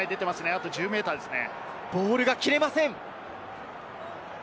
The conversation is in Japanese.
あと１０ｍですね。